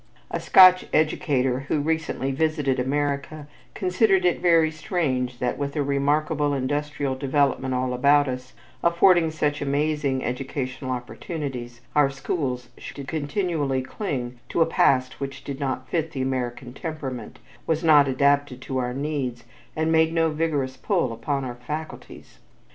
A Scotch educator who recently visited America considered it very strange that with a remarkable industrial development all about us, affording such amazing educational opportunities, our schools should continually cling to a past which did not fit the American temperament, was not adapted to our needs, and made no vigorous pull upon our faculties.